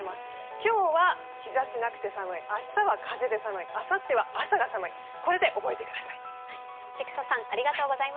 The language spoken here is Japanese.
今日は、日ざしなくて寒い明日は風で寒い、あさっては朝が寒い、これで覚えてください。